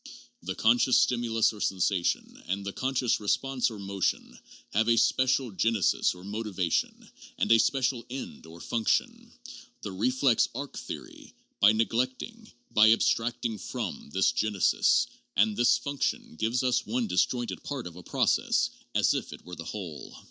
The conscious stim ulus or sensation, and the conscious response or motion, have a special genesis or motivation, and a special end or function. The reflex arc theory, by neglecting, by abstracting from, this genesis and this function gives us one disjointed part of a pro cess as if it were the whole.